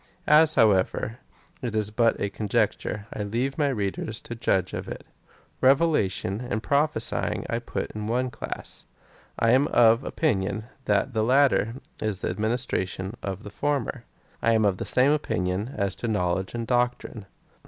As, however, it is but a conjecture, I leave my readers to judge of it. Revelation and prophesying I put in one class, and I am of opinion that the latter is the ad ministration of the former. I am of the same opinion as to knowledge and doctrine.